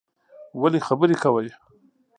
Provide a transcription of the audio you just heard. ولی خبری کوی